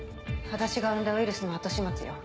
私が生んだウイルスの後始末よ